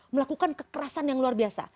melakukan kekerasan yang luar biasa